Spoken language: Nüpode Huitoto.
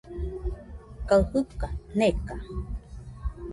kaɨ jɨka neka